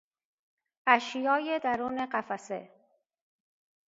اشیای درون قفسه